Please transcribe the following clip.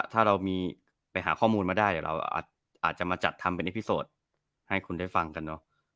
ถ้าเรามีไปหาข้อมูลมาได้เราอาจจะมาจัดทำเป็นในพิสูจน์ให้คุณได้ฟังกันเนอะ